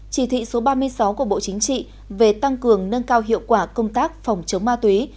chỉ thị số ba mươi sáu của bộ chính trị về tăng cường nâng cao hiệu quả công tác phòng chống ma túy